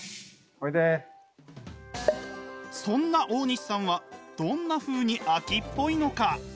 そんな大西さんはどんなふうに飽きっぽいのか？